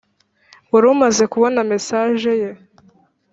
warumaze kubona mesage ye